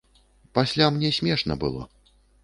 Пасля мне смешна было.